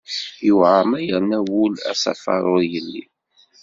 Yuɛer ma yerna wul asafar ur yelli.